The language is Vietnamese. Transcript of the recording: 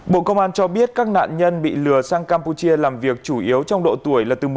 bộ công an cho biết các nạn nhân bị lừa sang campuchia làm việc chủ yếu trong độ tuổi là từ một mươi tám đến ba mươi năm tuổi